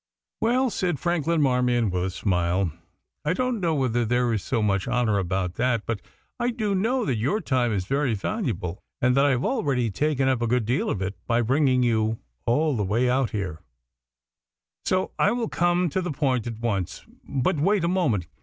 "Well," said Franklin Marmion with a smile, "I don't know whether there is so very much honour about that, but I do know that your time is very valuable and that I have already taken up a good deal of it by bringing you all the way out here, so I will come to the point at once. But wait a moment.